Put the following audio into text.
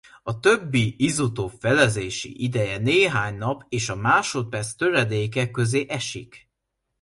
A többi izotóp felezési ideje néhány nap és a másodperc töredéke közé esik.